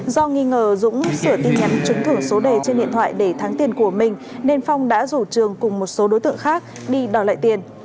do nghi ngờ dũng sửa tin nhắn trúng thưởng số đề trên điện thoại để thắng tiền của mình nên phong đã rủ trường cùng một số đối tượng khác đi đòi lại tiền